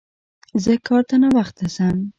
زه کار ته ناوخته ځم